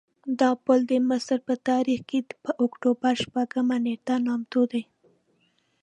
دا پل د مصر په تاریخ کې په اکتوبر شپږمه نېټه نامتو دی.